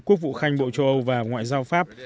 quốc vụ khanh bộ châu âu và ngoại giao pháp